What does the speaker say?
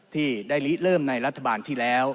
ที่ได้ลิเริ่มในรัฐบาลที่แล้ว